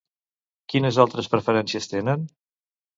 Quines altres preferències tenen?